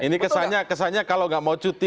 ini kesannya kalau nggak mau cuti